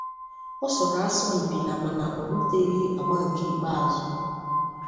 Ọ sọrọ asọmpi na mana ọ ruteghị agba nke ikpeazụ.